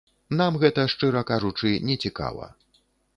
Нам гэта, шчыра кажучы, не цікава.